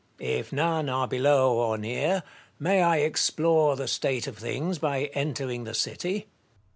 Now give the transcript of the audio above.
If none are below or near, may I explore the state of things by entering the city